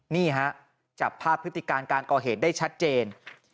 นี่ฮะจับภาพพฤติการการก่อเหตุได้ชัดเจน